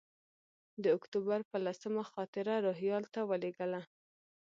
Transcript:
د اکتوبر پر لسمه خاطره روهیال ته ولېږله.